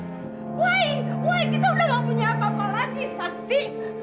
woi woi kita udah nggak punya apa apa lagi sakti